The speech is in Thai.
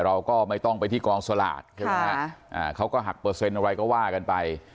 เราก็ไม่ต้องไปที่กองสลากใช่ไหมฮะเขาก็หักเปอร์เซ็นต์อะไรก็ว่ากันไป